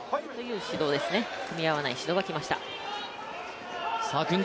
組み合わない指導がきました。